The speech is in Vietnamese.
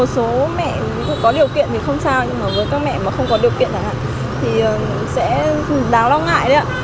số mẹ có điều kiện thì không sao nhưng mà với các mẹ mà không có điều kiện thì sẽ đáng lo ngại đấy ạ